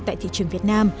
tại thị trường việt nam